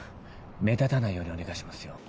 目立たないようにお願いしますよ。